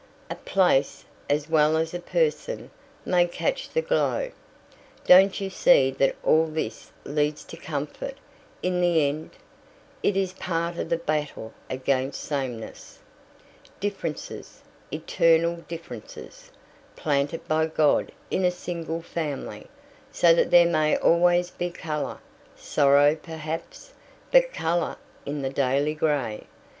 A place, as well as a person, may catch the glow. Don't you see that all this leads to comfort in the end? It is part of the battle against sameness. Differences eternal differences, planted by God in a single family, so that there may always be colour; sorrow perhaps, but colour in the daily grey.